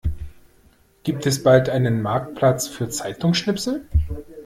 Gibt es bald einen Marktplatz für Zeitungsschnipsel?